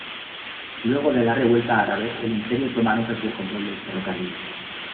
Luego de la Revuelta Árabe, el Imperio Otomano perdió el control del ferrocarril.